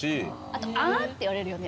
あと「あん？」って言われるよね。